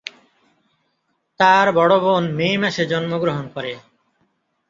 তার বড় বোন মে মাসে জন্মগ্রহণ করে।